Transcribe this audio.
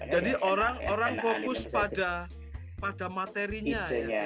jadi orang fokus pada materinya